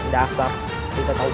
dari dasar kita tahu